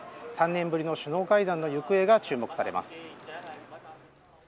３年ぶりの首脳会談の行方が注目されます。